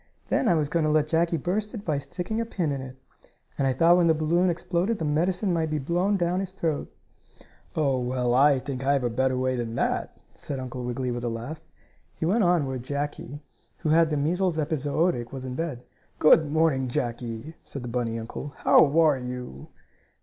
Then I was going to let Jackie burst it by sticking a pin in it. And I thought when the balloon exploded the medicine might be blown down his throat." "Oh, well, I think I have a better way than that," said Uncle Wiggily with a laugh. He went in where Jackie, who had the measles epizootic, was in bed. "Good morning, Jackie," said the bunny uncle. "How are you?"